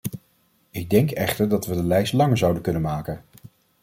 Ik denk echter dat we de lijst langer zouden kunnen maken.